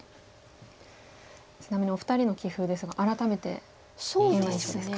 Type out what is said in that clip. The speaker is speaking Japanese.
ちなみにお二人の棋風ですが改めてどんな印象ですか。